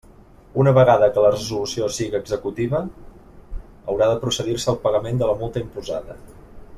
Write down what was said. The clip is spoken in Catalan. Una vegada que la resolució siga executiva, haurà de procedir-se al pagament de la multa imposada.